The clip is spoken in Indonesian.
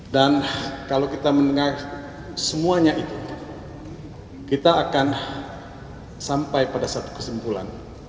dan kalau kita mendengar semuanya itu kita akan sampai pada satu kesimpulan